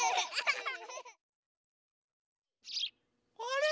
あれ？